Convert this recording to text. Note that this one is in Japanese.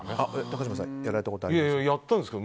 高嶋さんやられたことあるんですか？